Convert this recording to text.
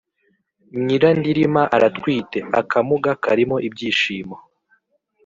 Nyirandirima aratwite-Akamuga karimo ibishyimbo.